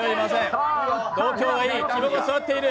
度胸がいい、肝がすわっている。